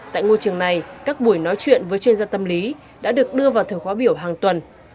tại ngôi trường này các buổi nói chuyện với chuyên gia tâm lý đã được đưa vào thời khóa biểu hàng tuần